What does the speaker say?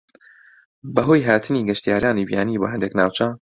بەهۆی هاتنی گەشتیارانی بیانی بۆ هەندێک ناوچە